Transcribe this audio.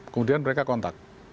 kemudian mereka kontak